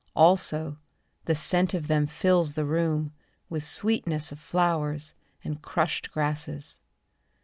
Also the scent from them fills the room With sweetness of flowers and crushed grasses.